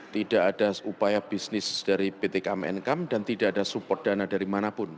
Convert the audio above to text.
tidak ada upaya bisnis dari pt kmnkam dan tidak ada support dana dari manapun